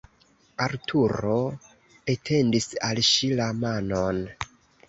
Arturo etendis al ŝi la manon.